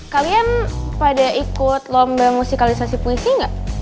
kalian pada ikut lomba musikalisasi puisi gak